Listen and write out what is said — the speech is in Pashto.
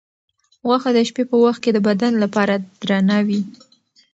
غوښه د شپې په وخت کې د بدن لپاره درنه وي.